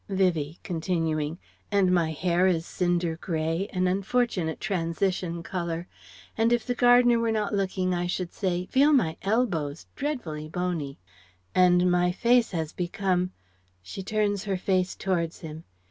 Vivie (continuing): ... "And my hair is cinder grey an unfortunate transition colour. And if the gardener were not looking I should say: 'Feel my elbows ... Dreadfully bony! And my face has become..." She turns her face towards him.